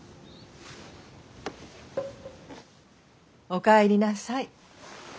お帰りなさい。